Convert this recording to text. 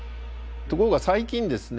ところが最近ですね